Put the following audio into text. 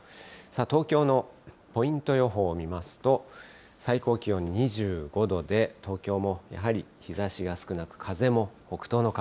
東京のポイント予報を見ますと、最高気温２５度で、東京もやはり日ざしが少なく、風も北東の風。